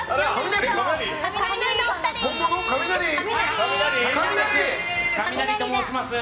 カミナリと申します。